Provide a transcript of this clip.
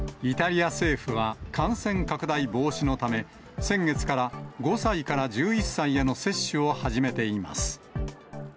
イタリア政府は感染拡大防止のため、先月から５歳から１１歳への接種を始めています。